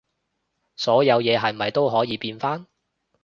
所有嘢係咪都可以變返